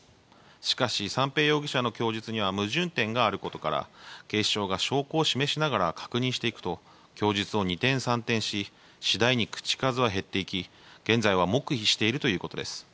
しかし、三瓶容疑者の供述には矛盾点があることから警視庁が証拠を示しながら確認していくと供述を二転三転し次第に口数は減っていき、現在は黙秘しているということです。